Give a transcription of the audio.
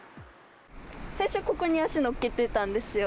最初、ここに足、乗っけてたんですよ。